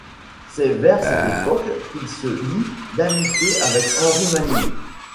C'est vers cette époque qu'il se lie d'amitié avec Henry Manning.